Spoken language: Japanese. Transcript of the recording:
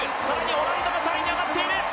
オランダが３位に上がっている。